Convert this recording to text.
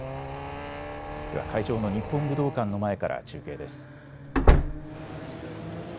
では会場の日本武道館の前から中継です。